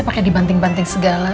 pakai dibanting banting segala